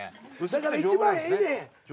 だから一番ええねん。